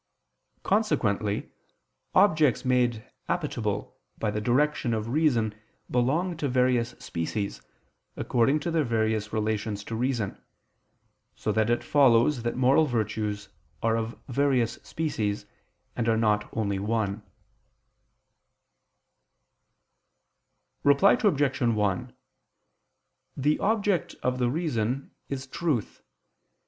Consequently objects made appetible by the direction of reason belong to various species, according to their various relations to reason: so that it follows that moral virtues are of various species and are not one only. Reply Obj. 1: The object of the reason is truth.